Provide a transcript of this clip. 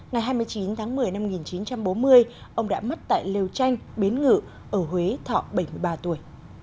ngày hai mươi chín tháng một mươi năm một nghìn chín trăm bốn mươi ông đã mất tại lều tranh biến ngự ở huế thọ bảy mươi ba tuổi